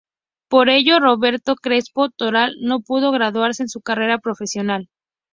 Por ello, Roberto Crespo Toral no pudo graduarse en su carrera profesional.